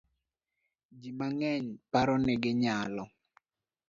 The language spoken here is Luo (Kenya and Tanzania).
Ji mang'eny paro ni ginyalo